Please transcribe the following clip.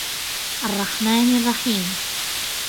الرَّحْمَٰنِ الرَّحِيمِ